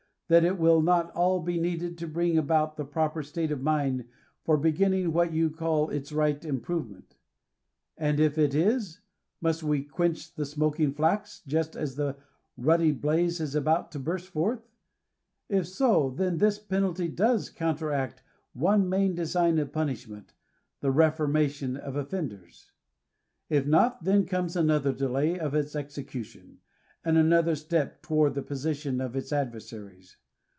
— that it will not all be needed to bring about the proper state of mind for beginning what you call its right improvement ? And if it is, must we " quench the smoking flax" just as the ruddy blaze is about to burst forth ? If so, then this penalty (2oe« counteract one main design of punishment — ^the reformation of oflTenders. If not, then comes another delay of its execution, and another step toward the position of its adversaries.